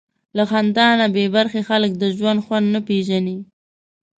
له خندا نه بېبرخې خلک د ژوند خوند نه پېژني.